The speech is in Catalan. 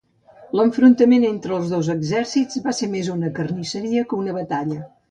L'enfrontament entre els dos exèrcits va ser més una carnisseria que una batalla.